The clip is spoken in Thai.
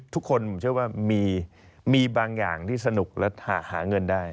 ทุกคนผมเชื่อว่ามีบางอย่างที่สนุกและหากหาเงินได้